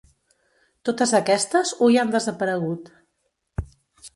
Totes aquestes hui han desaparegut.